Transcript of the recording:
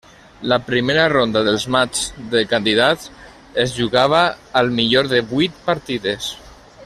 La primera ronda dels matxs de Candidats es jugava al millor de vuit partides.